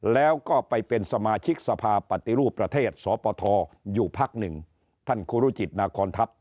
แล้วก็ไปเป็นสมาชิกสภาปฏิรูปประเทศสปทอยู่พักหนึ่งท่านครูรุจิตนาคอนทัพ